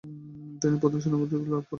তিনি প্রধান সেনাপতির পদ লাভ করেন।